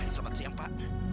selamat siang pak